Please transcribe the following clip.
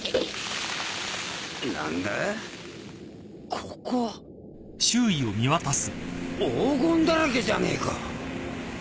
黄金だらけじゃねえか！